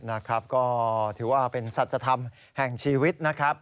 นะครับก็ถือว่าเป็นสัจธรรมแห่งชีวิตนะครับ